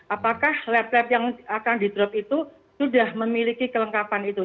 apakah lab lab yang akan di drop itu sudah memiliki kelengkapan itu